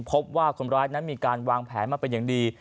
พบว่าคนร้ายนั้นมีการวางแผนมาเป็นอย่างดี